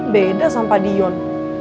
beda sama pak dion